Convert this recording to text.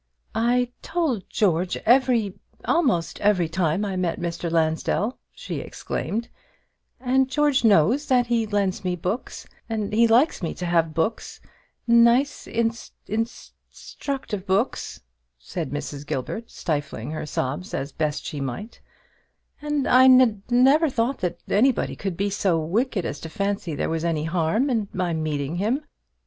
"I told George every almost every time I met Mr. Lansdell," she exclaimed; "and George knows that he lends me books; and he likes me to have books nice, in st structive books," said Mrs. Gilbert, stifling her sobs as best she might; "and I n never thought that anybody could be so wicked as to fancy there was any harm in my meeting him.